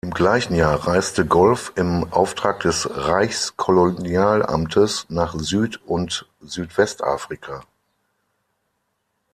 Im gleichen Jahr reiste Golf im Auftrag des Reichskolonialamtes nach Süd- und Südwestafrika.